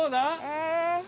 え。